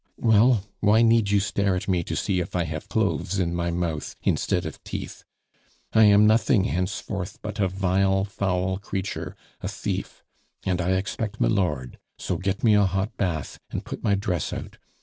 "Well, why need you stare at me to see if I have cloves in my mouth instead of teeth? I am nothing henceforth but a vile, foul creature, a thief and I expect milord. So get me a hot bath, and put my dress out.